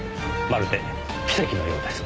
まるで奇跡のようです。